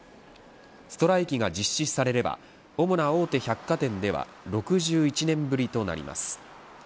ストライキが実施されれば主な大手百貨店では６１年ぶりとなります。